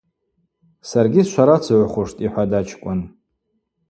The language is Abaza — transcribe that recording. Саргьи сшварацыгӏвхуштӏ, – йхӏватӏ ачкӏвын.